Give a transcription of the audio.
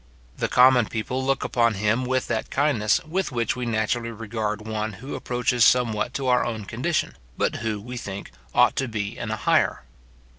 The common people look upon him with that kindness with which we naturally regard one who approaches somewhat to our own condition, but who, we think, ought to be in a higher.